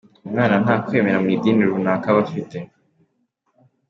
Umwana nta kwemera mu idini runaka aba afite.